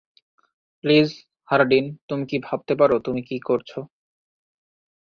Please, Hardin, তুমি কি ভাবতে পারো তুমি কি করছ?